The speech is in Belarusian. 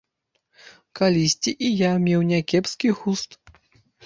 Калісьці і я меў някепскі густ.